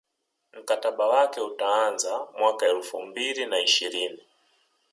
mkataba wake utaanza mwaka elfu mbili na ishirini